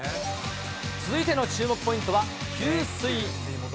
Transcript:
続いての注目ポイントは給水。